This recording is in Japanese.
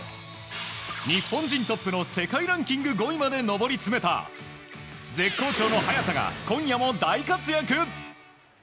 日本人トップの世界ランキング５位まで上り詰めた絶好調の早田が今夜も大活躍。